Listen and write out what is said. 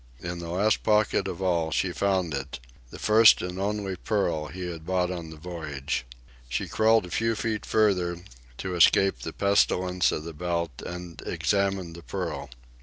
In the last pocket of all she found it, the first and only pearl he had bought on the voyage. She crawled a few feet farther, to escape the pestilence of the belt, and examined the pearl.